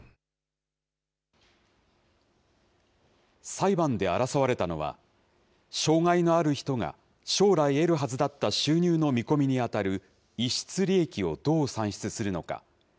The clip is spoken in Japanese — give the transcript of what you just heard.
裁判で争われたのは、傷害のある人が将来得るはずだった収入の見込みに当たる逸失利益をどう算出するのか。